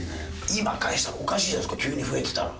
今返したらおかしいじゃないですか急に増えてたら。